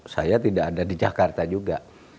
saya tidak ada di jakarta juga